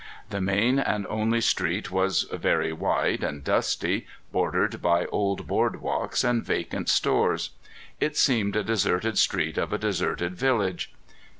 The main and only street was very wide and dusty, bordered by old board walks and vacant stores. It seemed a deserted street of a deserted village.